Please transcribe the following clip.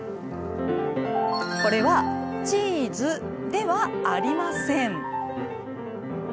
これは、チーズではありません。